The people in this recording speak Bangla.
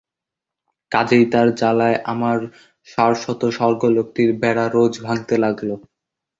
কাজেই তার জ্বালায় আমার সারস্বত স্বর্গলোকটির বেড়া রোজ ভাঙতে লাগল।